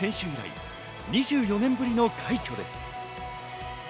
以来２４年ぶりの快挙です。